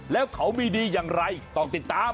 แล้วเขามีดีอย่างไรต้องติดตาม